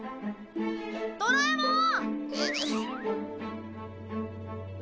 ドラえもーん！